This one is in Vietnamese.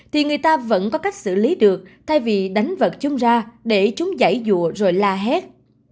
thì người ta vẫn có cách xử lý được thay vì đánh vật chúng ra để chúng giải dụ rồi la hét